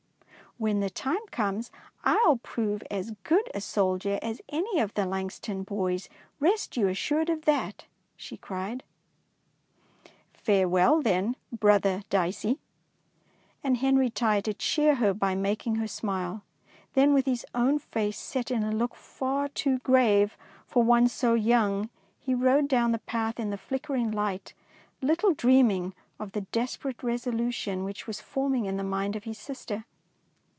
" When the time comes, I ^11 prove as good a soldier as any of the Langston boys, rest you assured of that,'^ she cried. " Farewell, then, brother Dicey" ; and Henry tried to cheer her by making her smile. Then, with his own face set in a look far too grave for one so young, he rode down the path in the flicker ing light, little dreaming of the desper 242 DICEY LANGSTON ate resolution which was forming in the mind of his sister.